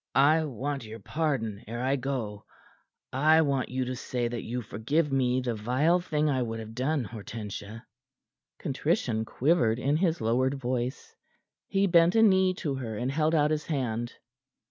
"I want your pardon ere I go. I want you to say that you forgive me the vile thing I would have done, Hortensia." Contrition quivered in his lowered voice. He bent a knee to her, and held out his hand.